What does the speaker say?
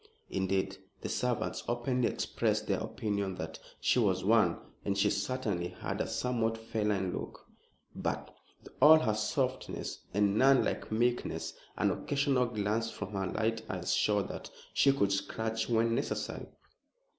Indeed, the servants openly expressed their opinion that she was one, and she certainly had a somewhat feline look. But, with all her softness and nun like meekness, an occasional glance from her light eyes showed that she could scratch when necessary.